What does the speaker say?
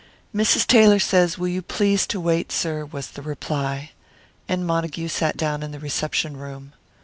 "Mrs. Taylor says will you please to wait, sir," was the reply. And Montague sat down in the reception room.